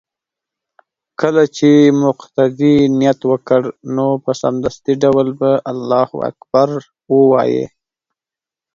كله چې مقتدي نيت وكړ نو په سمدستي ډول به الله اكبر ووايي